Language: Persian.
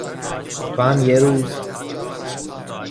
تو هم یه روز